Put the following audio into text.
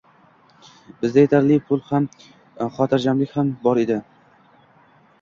Bizda yetarli pul ham, xotirjamlik ham bor edi.